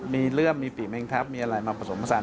มีเลือดมีฝีเมงทัพมีอะไรมาผสมผสาน